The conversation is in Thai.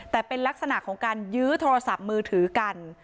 แต่เป็นลักษณะของการยื้อโทรศัพท์มือถือกัน